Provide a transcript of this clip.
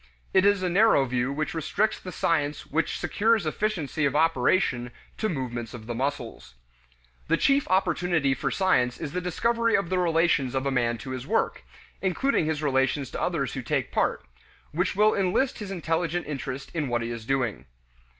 It is a narrow view which restricts the science which secures efficiency of operation to movements of the muscles. The chief opportunity for science is the discovery of the relations of a man to his work including his relations to others who take part which will enlist his intelligent interest in what he is doing.